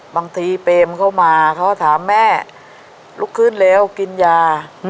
บางทีเปรมเข้ามาเขาก็ถามแม่ลุกขึ้นแล้วกินยา